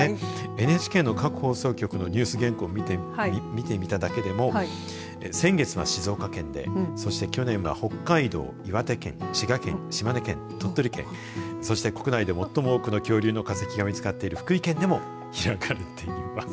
ＮＨＫの各放送局のニュース原稿を見てみただけでも先月は静岡県でそして去年は北海道、岩手県滋賀県、島根県鳥取県そして国内で最も多くの恐竜の化石が見つかっている福井県でも開かれています。